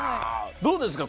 どうですか？